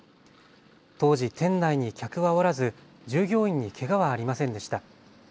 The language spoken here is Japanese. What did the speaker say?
当時、店内に客はおらず従業員にけがはありませんでした。